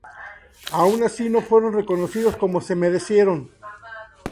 Aun así no fueron reconocidos como se merecieron.